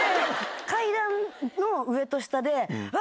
階段の上と下でうわ！